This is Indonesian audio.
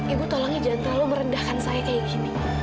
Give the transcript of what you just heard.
ibu tolongnya jangan terlalu merendahkan saya kayak gini